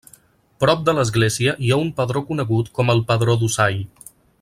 Prop de l'església hi ha un pedró conegut com el pedró d'Usall.